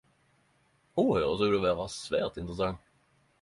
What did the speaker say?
Ho høyrest å vere svært interessant.